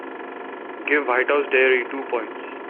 Give White House Diary two points